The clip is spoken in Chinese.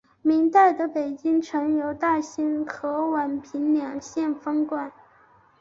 明代的北京城由大兴和宛平两县分管。